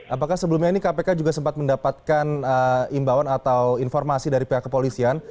apakah sebelumnya ini kpk juga sempat mendapatkan imbauan atau informasi dari pihak kepolisian